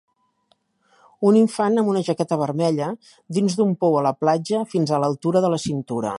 Un infant amb una jaqueta vermella, dins d'un pou a la platja fins a l'altura de la cintura.